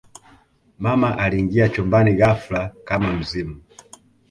mama aliingia chumbani ghafla kama mzimu